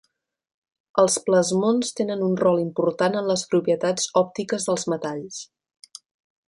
Els plasmons tenen un rol important en les propietats òptiques dels metalls.